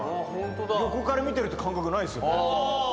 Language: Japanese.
横から見てるって感覚ないですよね。